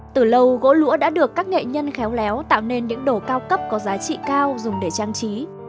từ lâu gỗ lũa đã được các nghệ nhân khéo léo tạo nên những đồ cao cấp có giá trị cao dùng để trang trí